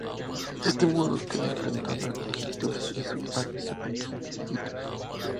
De ese modo queda enfrentado a Hijitus y su alias Super Hijitus.